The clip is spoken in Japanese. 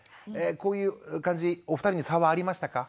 こういう感じお二人に差はありましたか？